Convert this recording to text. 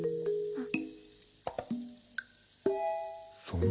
あっ。